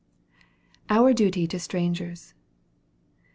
OUR DUTY TO STRANGERS.